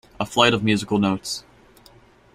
A flight of musical notes.